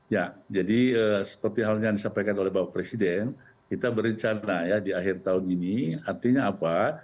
ya jadi seperti halnya yang disampaikan oleh bapak presiden kita berencana ya di akhir tahun ini artinya apa